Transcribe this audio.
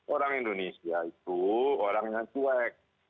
orang indonesia itu orang yang cuek